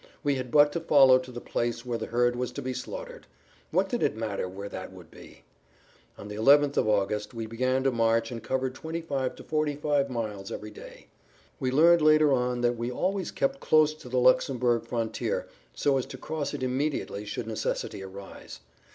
We had but to follow to the place where the herd was to be slaughtered; what did it matter where that would be? On the 11th of August we began to march and covered 25 45 miles every day. We learned later on that we always kept close to the Luxemburg frontier so as to cross it immediately should necessity arise.